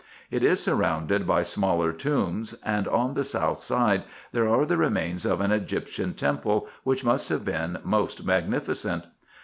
It is surrounded by smaller tombs ; and, on the south side, there are the remains of an Egyptian temple, which must have been most magnificent.